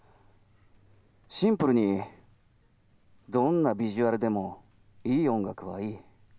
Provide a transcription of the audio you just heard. シンプルにどんなビジュアルでもいい音楽はいい。